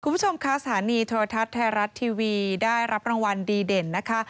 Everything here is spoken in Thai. คุณผู้ชมคะสถานีโทรทัศน์ไทยรัฐทีวีได้รับรางวัลดีเด่นนะคะ